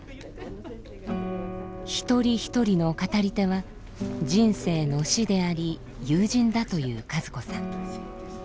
一人一人の語り手は人生の師であり友人だという和子さん。